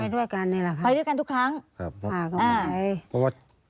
ไปด้วยกันทุกครั้ง